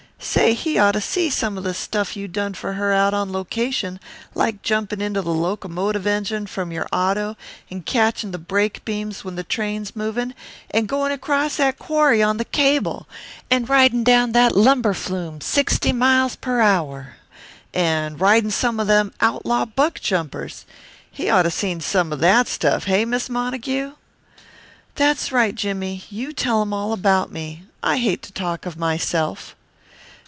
Say, he ought to see some the stuff you done for her out on location, like jumpin' into the locomotive engine from your auto and catchin' the brake beams when the train's movin', and goin' across that quarry on the cable, and ridin' down that lumber flume sixty miles per hour and ridin' some them outlaw buckjumpers he'd ought to seen some that stuff, hey, Miss Montague?" "That's right, Jimmie, you tell him all about me. I hate to talk of myself."